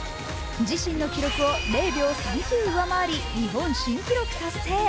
自身の記録を０秒３９上回り日本新記録達成。